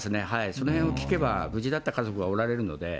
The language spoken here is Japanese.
そのへんを聞けば無事だった家族がおられるので。